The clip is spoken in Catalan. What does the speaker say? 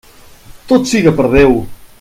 Tot siga per Déu!